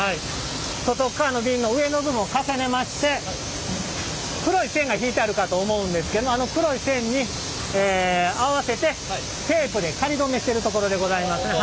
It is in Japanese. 外っかわの瓶の上の部分を重ねまして黒い線が引いてあるかと思うんですけどあの黒い線に合わせてテープで仮止めしてるところでございますね。